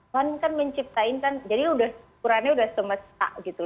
tuhan kan menciptain kan jadi udah kurannya udah semesta gitu